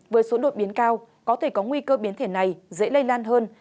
với số đột biến cao có thể có nguy cơ biến thể này dễ lây lan hơn